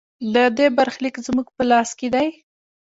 د دې برخلیک زموږ په لاس کې دی